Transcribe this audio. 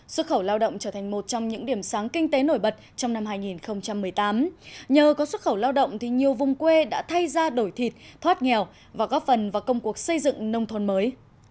xuất khẩu lao động trở thành một trong những điểm sáng kinh tế nổi bật trong năm hai nghìn một mươi tám nhờ có xuất khẩu lao động thì nhiều vùng quê đã thay ra đổi thịt thoát nghèo và góp phần vào công cuộc xây dựng nông thôn mới